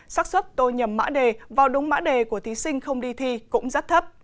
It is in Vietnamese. sắc xuất tôi nhầm mã đề vào đúng mã đề của thí sinh không đi thi cũng rất thấp